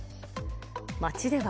街では。